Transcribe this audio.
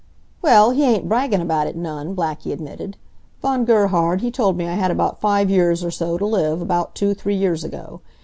"Well, he ain't braggin' about it none," Blackie admitted. "Von Gerhard, he told me I had about five years or so t' live, about two, three years ago.